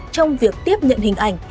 trong việc tiếp nhận hình ảnh